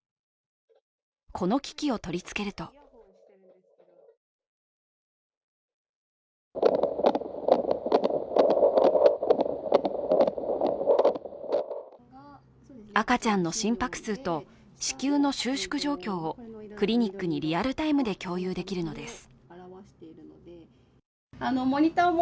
この機器を取り付けると赤ちゃんの心拍数と子宮の収縮状況をクリニックにリアルタイムで共有できるのです。